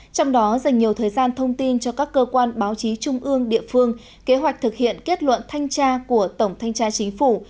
trong đó dành nhiều thời gian thông tin cho các cơ quan báo chí trung ương địa phương kế hoạch thực hiện kết luận thanh tra của tổng thanh tra chính phủ